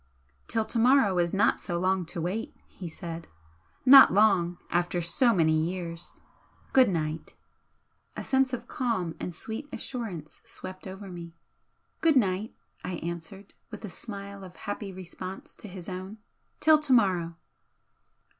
"Till to morrow is not long to wait," he said "Not long after so many years! Good night!" A sense of calm and sweet assurance swept over me. "Good night!" I answered, with a smile of happy response to his own "Till to morrow!"